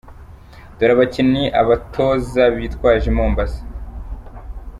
Dore abakinnyi abatoza bitwaje i Mombasa:.